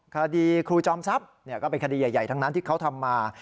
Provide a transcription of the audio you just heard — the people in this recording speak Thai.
คดีครูจอมทรัพย์ก็เป็นคดีใหญ่ทั้งนั้นที่เขาทำมา